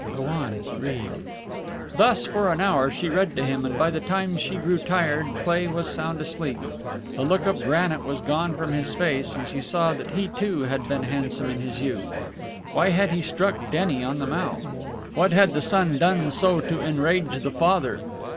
Go on read." Thus for an hour she read to him, and by the time she grew tired Cleigh was sound asleep. The look of granite was gone from his face, and she saw that he, too, had been handsome in his youth. Why had he struck Denny on the mouth? What had the son done so to enrage the father?